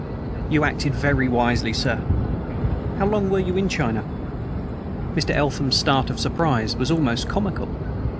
You acted very wisely, sir. How long were you in China?" Mr. Eltham's start of surprise was almost comical.